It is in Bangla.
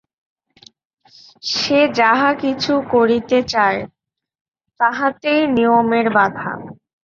সে যাহা কিছু করিতে চায়, তাহাতেই নিয়মের বাধা।